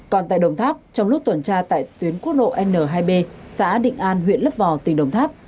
còn tại đồng tháp trong lúc tuần tra tại tuyến quốc lộ n hai b xã định an huyện lấp vò tỉnh đồng tháp